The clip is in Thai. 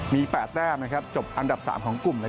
มี๘แต้มจบอันดับ๓ของกลุ่ม